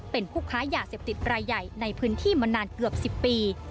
เป็นผู้ค้ายาเสพติดรายใหญ่ในพื้นที่มานานเกือบ๑๐ปี